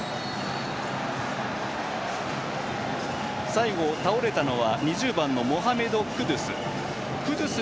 最後、倒れたのは２０番のモハメド・クドゥス。